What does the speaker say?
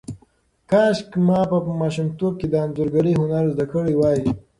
کاشکې ما په ماشومتوب کې د انځورګرۍ هنر زده کړی وای.